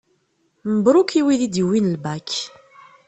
Mebruk i wid i d-yewwin lbak.